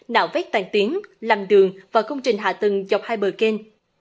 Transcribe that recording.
nạo vét toàn tuyến làm đường và công trình hạ tầng dọc hai bờ kênh